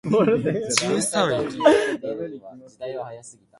十三駅